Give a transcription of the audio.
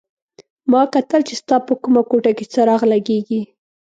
ما کتل چې ستا په کومه کوټه کې څراغ لګېږي.